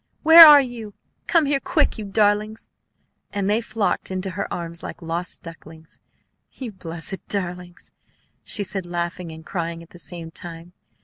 Where are you? Come here quick, you darlings!" and they flocked into her arms like lost ducklings. "You blessed darlings!" she said, laughing and crying at the same time.